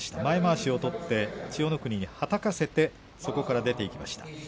前まわしを取って千代の国にはたかせてそこから出ていきました。